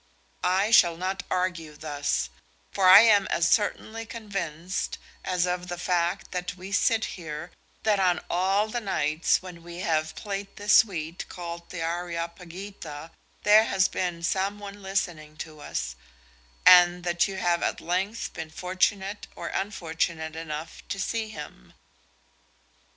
I shall not argue thus, for I am as certainly convinced as of the fact that we sit here, that on all the nights when we have played this suite called the 'Areopagita,' there has been some one listening to us, and that you have at length been fortunate or unfortunate enough to see him."